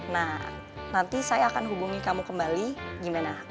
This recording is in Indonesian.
nah nanti saya akan hubungi kamu kembali gimana